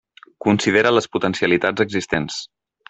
Considera les potencialitats existents.